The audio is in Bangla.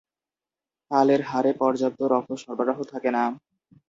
তালের হাড়ে পর্যাপ্ত রক্ত সরবরাহ থাকে না।